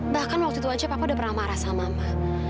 bahkan waktu itu aja papa udah pernah marah sama mbak